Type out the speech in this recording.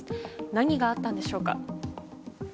何があったんでしょうか。